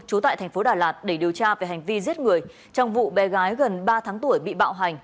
trú tại thành phố đà lạt để điều tra về hành vi giết người trong vụ bé gái gần ba tháng tuổi bị bạo hành